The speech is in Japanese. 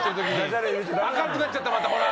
明るくなっちゃったまたほら。